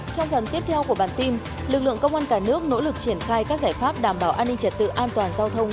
trong phần tiếp theo của bản tin lực lượng công an cả nước nỗ lực triển khai các giải pháp đảm bảo an ninh trật tự an toàn giao thông